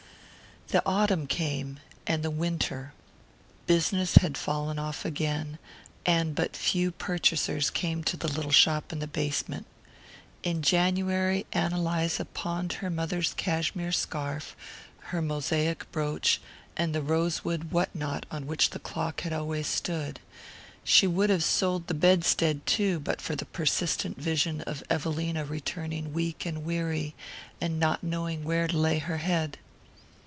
The autumn came, and the winter. Business had fallen off again, and but few purchasers came to the little shop in the basement. In January Ann Eliza pawned her mother's cashmere scarf, her mosaic brooch, and the rosewood what not on which the clock had always stood; she would have sold the bedstead too, but for the persistent vision of Evelina returning weak and weary, and not knowing where to lay her head.